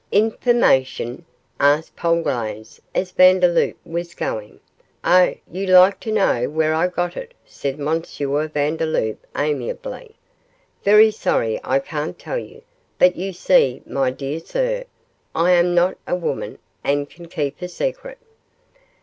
'Information?' asked Polglaze, as Vandeloup was going. 'Oh! you'd like to know where I got it,' said M. Vandeloup, amiably. 'Very sorry I can't tell you; but you see, my dear sir, I am not a woman, and can keep a secret.